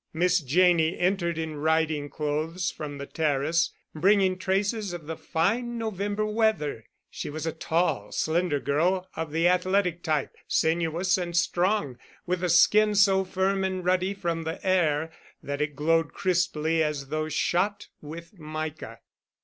Miss Janney entered in riding clothes from the terrace, bringing traces of the fine November weather. She was a tall, slender girl of the athletic type, sinuous and strong, with a skin so firm and ruddy from the air that it glowed crisply as though shot with mica.